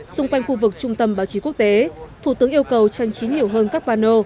xung quanh khu vực trung tâm báo chí quốc tế thủ tướng yêu cầu trang trí nhiều hơn các bà nô